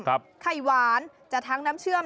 ไข่หวานจะทั้งน้ำเชื่อม